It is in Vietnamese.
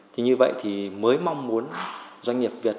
thì như vậy thì mới mong muốn doanh nghiệp